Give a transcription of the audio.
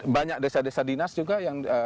banyak desa desa dinas juga yang